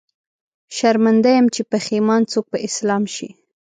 شرمنده يم، چې پښېمان څوک په اسلام شي